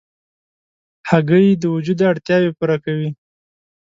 هګۍ د وجود اړتیاوې پوره کوي.